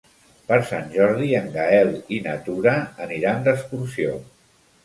Per Sant Jordi en Gaël i na Tura aniran d'excursió.